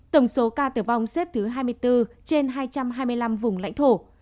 tổng số ca tử vong xếp thứ hai mươi bốn trên hai trăm hai mươi năm vùng lãnh thổ